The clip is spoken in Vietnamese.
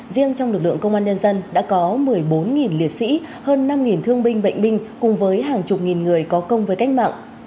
riêng trong lực lượng công an nhân dân đã có một mươi bốn liệt sĩ hơn năm thương binh bệnh binh cùng với hàng chục nghìn người có công với cách mạng